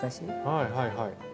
はいはいはい。